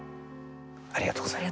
ありがとうございます。